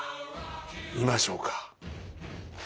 見ましょうか。